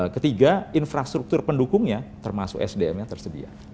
ketiga infrastruktur pendukungnya termasuk sdm nya tersedia